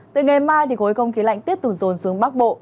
từ ngày mai khối không khí lạnh tiếp tục rồn xuống bắc bộ